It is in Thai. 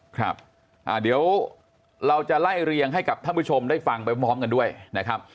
ครับเดี๋ยวเราจะไล่เรียงให้กับท่านผู้ชมได้ฟังไปพร้อมกันด้วยนะครับ